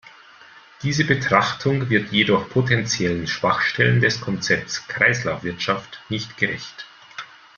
Diese Betrachtung wird jedoch potenziellen Schwachstellen des Konzepts "Kreislaufwirtschaft" nicht gerecht.